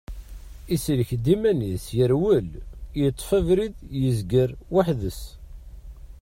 Isellek-d iman-is, yerwel, yeṭṭef abrid, yezger weḥd-s.